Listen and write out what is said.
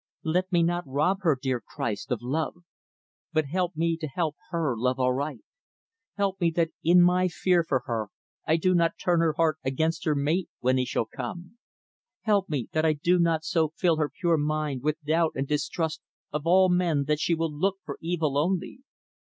"Let me not rob her, dear Christ, of love; but help me to help her love aright. Help me, that in my fear for her I do not turn her heart against her mate when he shall come. Help me, that I do not so fill her pure mind with doubt and distrust of all men that she will look for evil, only.